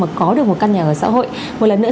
mà có được một căn nhà ở xã hội một lần nữa